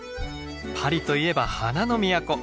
パリといえば「花の都」。